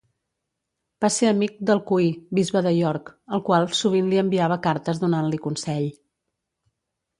Va ser amic d'Alcuí, bisbe de York, el qual sovint li enviava cartes donant-li consell.